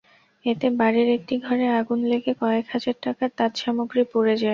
এতে বাড়ির একটি ঘরে আগুন লেগে কয়েক হাজার টাকার তাঁতসামগ্রী পুড়ে যায়।